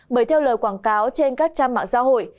bởi theo lời quảng cáo trên các trang mạng xã hội